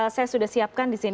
saya sudah siapkan di sini